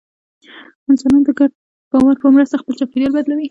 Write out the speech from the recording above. انسانان د ګډ باور په مرسته خپل چاپېریال بدلوي.